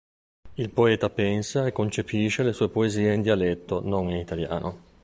Il poeta pensa e concepisce le sue poesie in dialetto, non in italiano.